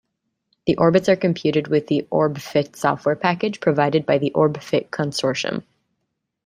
The orbits are computed with the OrbFit software package provided by the OrbFit Consortium.